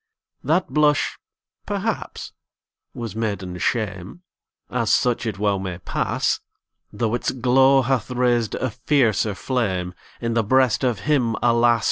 That blush, perhaps, was maiden shame As such it well may pass Though its glow hath raised a fiercer flame In the breast of him, alas!